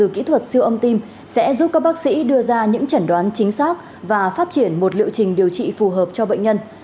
kỹ thuật siêu âm tim sẽ giúp các bác sĩ đưa ra những chẩn đoán chính xác và phát triển một liệu trình điều trị phù hợp cho bệnh nhân